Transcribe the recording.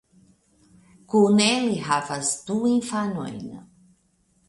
Kune ili havas du infanojn.